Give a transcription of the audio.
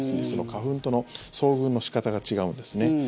花粉との遭遇の仕方が違うんですね。